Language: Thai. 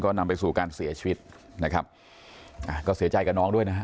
ก็นำไปสู่การเสียชีวิตก็เสียใจกับน้องด้วยนะ